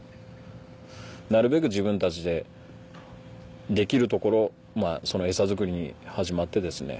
なるべく自分たちでできるところそのエサ作りに始まってですね